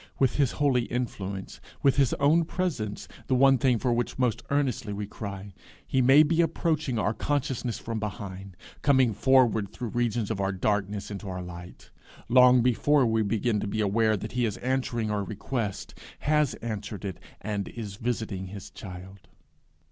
With his holy influence, with his own presence, the one thing for which most earnestly we cry, he may be approaching our consciousness from behind, coming forward through regions of our darkness into our light, long before we begin to be aware that he is answering our request has answered it, and is visiting his child.